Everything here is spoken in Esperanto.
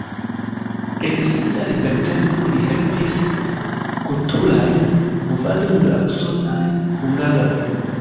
En sia libertempo li helpis kulturajn movadojn de la usonaj hungaroj.